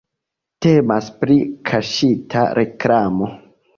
Temas pri kaŝita reklamo.